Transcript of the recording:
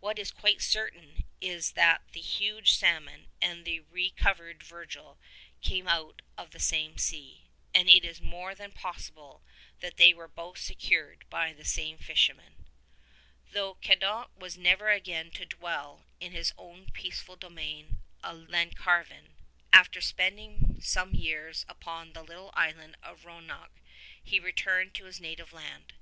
What is quite certain is that the huge salmon and the recovered Virgil came out of the same sea, and it is more than possible that they were both secured by the same fisherman. Though Cadoc was never again to dwell in his own peace ful domain of Llancarvan, after spending some years upon the little island of Ronech he returned to his native land.